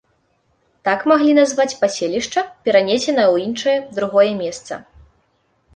Так маглі назваць паселішча, перанесенае ў іншае, другое месца.